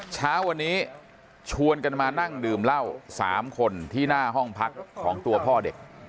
เช้าวันนี้ชวนกันมานั่งดื่มเหล้า๓คนที่หน้าห้องพักของตัวพ่อเด็ก